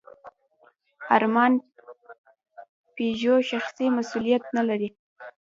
ارمان پيژو شخصي مسوولیت نهلري.